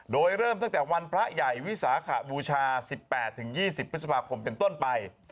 โดยเริ่มตั้งแต่วันพระใหญ่วิสาขบูชา๑๘๒๐พฤษภาคมเป็นต้นไป